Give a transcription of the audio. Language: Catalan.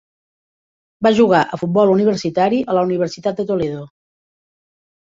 Va jugar a futbol universitari a la Universitat de Toledo.